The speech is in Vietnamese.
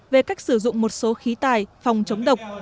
về cách sử dụng một số khí tài phòng chống độc